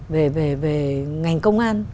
về ngành công an